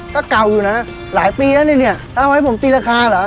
ก็เก่าอยู่นะหลายปีแล้วเนี่ยถ้าเอาไว้ผมตีราคาเหรอ